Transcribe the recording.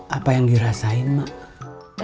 apa yang dirasain mak